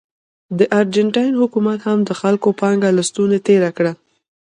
د ارجنټاین حکومت هم د خلکو پانګه له ستونې تېره کړه.